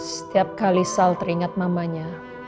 setiap kali sal teringat mamanya